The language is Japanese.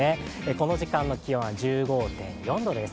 この時間の気温は１５．４度です。